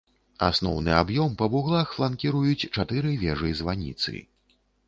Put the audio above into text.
Асноўны аб'ём па вуглах фланкіруюць чатыры вежы-званіцы.